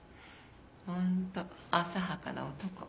本当浅はかな男。